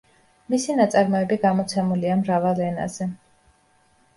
მისი ნაწარმოები გამოცემულია მრავალ ენაზე.